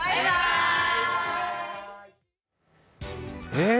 え！